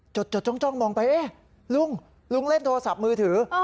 จดมองไปลุงลุงเล่นโทรศัพท์มือถือ